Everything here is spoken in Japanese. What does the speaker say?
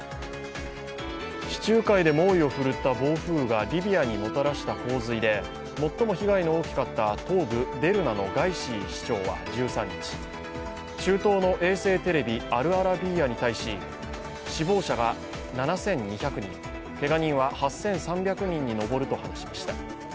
地中海で猛威を振るった暴風雨がリビアにもたらした洪水で最も被害の大きかった東部デルナのガイシー市長は１３日、中東の衛星テレビ、アルアラビーヤに対し死亡者が７２００人、けが人は８３００人に上ると話しました。